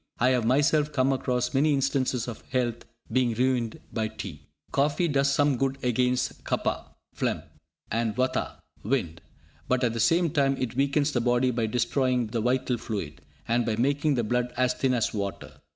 I have myself come across many instances of health being ruined by tea. Coffee does some good against Kapha (phlegm) and Vatha ('wind'), but at the same time it weakens the body by destroying the vital fluid, and by making the blood as thin as water.